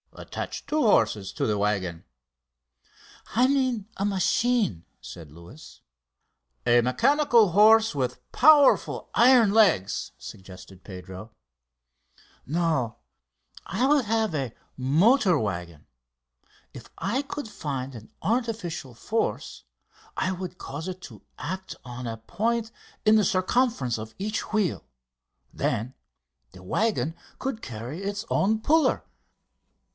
"Attach two horses to the waggon." "I mean a machine," said Luis. "A mechanical horse with powerful iron legs!" suggested Pedro. "No; I would have a motor waggon. If I could find an artificial force I would cause it to act on a point in the circumference of each wheel. Then the waggon could carry its own puller!"